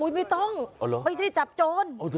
อุ้ยไม่ต้องเอาเหรอไม่ได้จับโจร